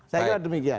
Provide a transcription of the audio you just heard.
saya kira demikian